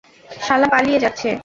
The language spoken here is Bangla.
শালা পালিয়ে যাচ্ছে।